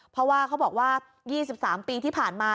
เพราะว่าเขาบอกว่า๒๓ปีที่ผ่านมา